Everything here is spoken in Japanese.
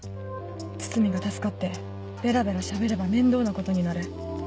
堤が助かってベラベラ喋れば面倒なことになる。